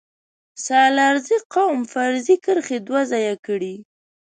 سلارزی قوم فرضي کرښې دوه ځايه کړي